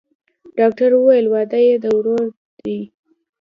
ډاکتر وويل واده يې د ورور دىه.